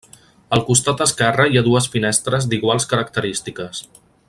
Al costat esquerre hi ha dues finestres d'iguals característiques.